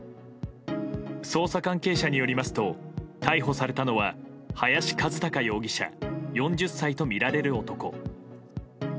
捜査関係者によりますと逮捕されたのは林一貴容疑者４０歳とみられる男。